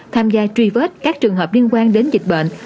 tham gia truy vết các trường hợp liên quan đến dịch bệnh